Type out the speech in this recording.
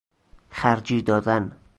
خرجی دادن